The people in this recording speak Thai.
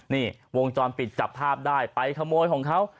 นี่วงจรปิดจับภาพได้ไปขโมยของเขา